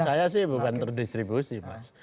saya sih bukan terdistribusi mas